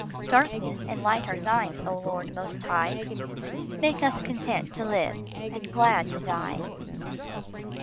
Darkness and light are Thine, O Lord, Most High ; Make us content to live and glad to die.